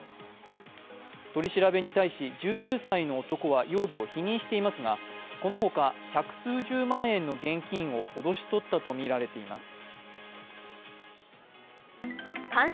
取り調べに対し、１９歳の男は容疑を否認していますがこの他、百数十万円の現金を脅し取ったとみられています。